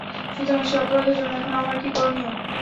সুতরাং সে অপরাধের জন্য এখন আমার কী করণীয়?